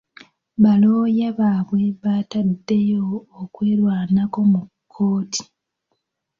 Balooya baabwe bataddeyo okwerwanako mu kkooti.